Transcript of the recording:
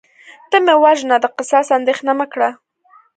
ته مې وژنه د قصاص اندیښنه مه کړه